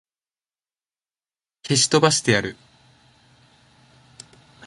消し飛ばしてやる!